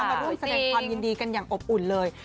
มาร่วมแสดงความยินดีกันอย่างอบอุ่นเลย